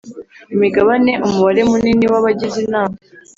imigabane umubare munini w abagize Inama